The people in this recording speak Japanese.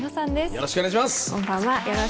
よろしくお願いします。